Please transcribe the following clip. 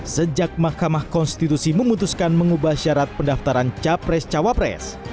sejak mahkamah konstitusi memutuskan mengubah syarat pendaftaran capres cawapres